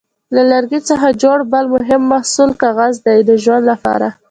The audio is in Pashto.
له لرګي څخه جوړ بل مهم محصول کاغذ دی د ژوند لپاره.